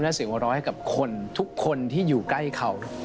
และเสียงหัวร้อยกับคนทุกคนที่อยู่ใกล้เขา